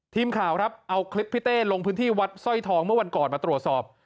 ทีมข่าวครับเอาคลิปพี่เต้ลงพื้นที่วัดสร้อยทองเมื่อวันก่อนมาตรวจสอบ